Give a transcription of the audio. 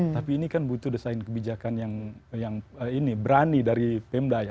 tapi ini kan butuh desain kebijakan yang ini berani dari pemda ya